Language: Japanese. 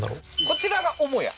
こちらが母屋？